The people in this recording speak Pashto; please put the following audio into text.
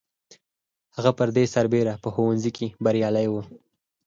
هغه پر دې سربېره په ښوونځي کې بریالی و